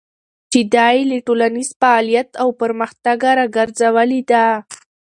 چې دا يې له ټولنيز فعاليت او پرمختګه راګرځولې ده.